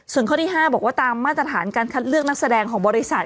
ส่วนข้อที่๕บอกว่าตามมาตรฐานการคัดเลือกนักแสดงของบริษัท